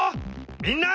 みんな！